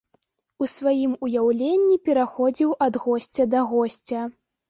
У сваім уяўленні пераходзіў ад госця да госця.